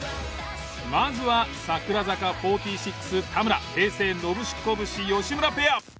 まずは櫻坂４６田村平成ノブシコブシ吉村ペア。